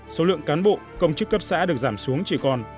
số lượng cán bộ công chức cấp xã được giảm xuống chỉ còn